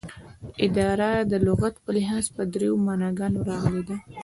اداره دلغت په لحاظ په دریو معناګانو راغلې ده